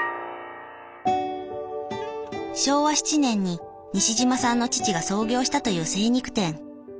昭和７年に西島さんの父が創業したという精肉店。